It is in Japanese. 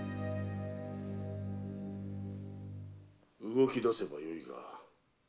動き出せばよいが。